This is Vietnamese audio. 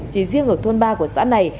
chỉ riêng ở thôn ba của xã này